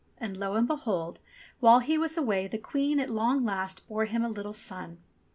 And lo and behold ! while he was away the Queen at long last bore him a little son.